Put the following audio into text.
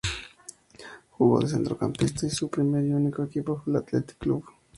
Jugó de centrocampista y su primer y único equipo fue el Athletic Club.